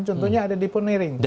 contohnya ada deponering